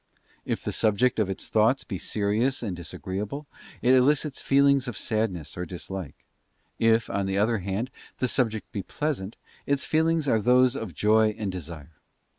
If the subject of its thoughts be serious and disagreeable, it elicits feelings of sadness or dislike; if, on the other hand, the subject be pleasant, its feelings are those of joy and desire.